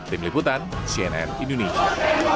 tim liputan cnn indonesia